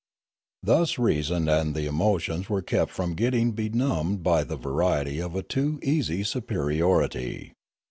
Thus reason and the emotions were kept from getting benumbed by the vanity of a too easy superiority.